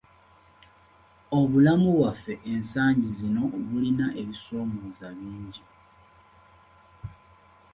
Obulamu bwaffe ensangi zino bulina ebibusoomooza bingi.